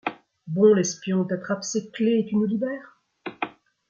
Bon, l’espion, t’attrapes ses clés et tu nous libères ?